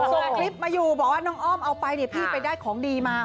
ส่งคลิปมาอยู่บอกว่าน้องอ้อมเอาไปเนี่ยพี่ไปได้ของดีมา